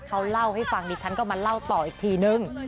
เขาเล่าให้ฟังดิฉันก็มาเล่าต่ออีกทีนึง